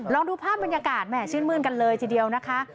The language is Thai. ดูภาพบรรยากาศแหม่ชื่นมื้นกันเลยทีเดียวนะคะ